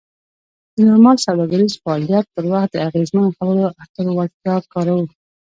د نورمال سوداګریز فعالیت پر وخت د اغیزمنو خبرو اترو وړتیا کاروو.